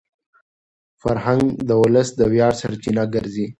فرهنګ د ولس د ویاړ سرچینه ګرځي.